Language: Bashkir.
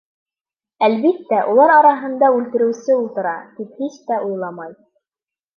Әлбиттә, улар араһында үлтереүсе ултыра, тип һис тә уйламай.